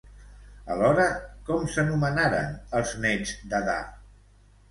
Alhora, com s'anomenaren els nets d'Adà?